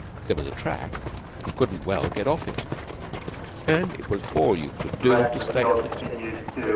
There was a track you couldn't well get off it, and it was all you could do to stay on it.